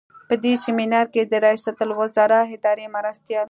په دې سمینار کې د ریاستالوزراء اداري مرستیال.